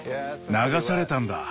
流されたんだ。